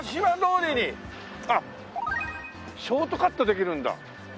あっショートカットできるんだ。